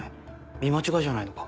見間違いじゃないのか？